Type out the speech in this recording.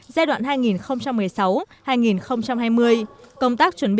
giai đoạn hai nghìn một mươi sáu hai nghìn hai mươi